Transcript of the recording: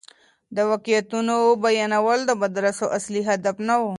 د واقعيتونو بيانول د مدرسو اصلي هدف نه و.